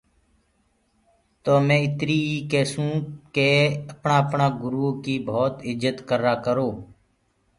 تو مي اِتر ئي ڪيسونٚ ڪي اپڻآ اپڻآ گُرئو ڪي ڀوت اِجت ڪررآ ڪرو۔